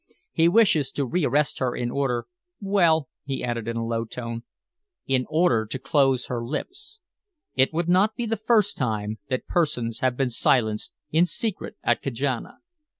He wishes to rearrest her in order well " he added in a low tone, "in order to close her lips. It would not be the first time that persons have been silenced in secret at Kajana.